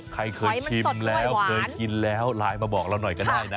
ใครเคยชิมแล้วเคยกินแล้วไลน์มาบอกเราหน่อยก็ได้นะ